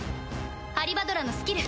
ハリバドラのスキル！